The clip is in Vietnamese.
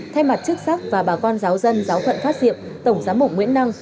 thay mặt chức sắc và bà con giáo dân giáo phận phát diệp tổng giám mục nguyễn năng